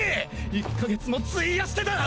１か月も費やしてだ！